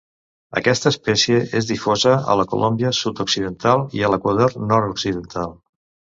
Aquesta espècie és difosa a la Colòmbia sud-occidental i a l'Equador nord-occidental.